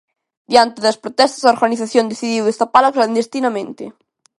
Diante das protestas, a organización decidiu destapala clandestinamente.